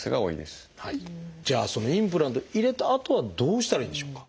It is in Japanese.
じゃあそのインプラントを入れたあとはどうしたらいいんでしょうか？